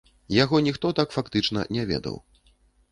Яго ніхто так фактычна не ведаў.